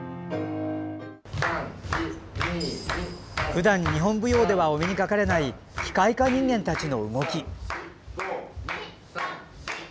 ふだん日本舞踊ではお目にかかれない機械化人間たちの動き。